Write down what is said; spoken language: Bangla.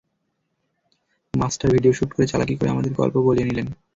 মাস্টার, ভিডিও শ্যুট করে চালাকি করে আমাদের গল্প বলিয়ে নিলেন।